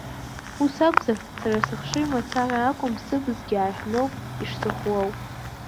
Ус акәзар, сара сыхшыҩ мацара акәым, сыбзгьы аарҳәноуп ишсыхәлоу.